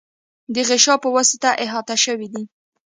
د غشا په واسطه احاطه شوی دی.